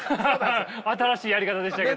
新しいやり方でしたけど。